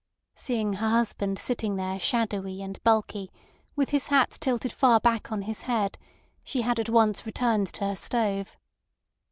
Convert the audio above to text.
Seeing her husband sitting there shadowy and bulky, with his hat tilted far back on his head, she had at once returned to her stove.